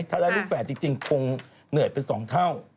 ถ้าได้ลูกแฝดจริงคงเหนื่อยเป็น๒เท่า